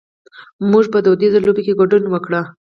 مونږ په دودیزو لوبو کې ګډون وکړ.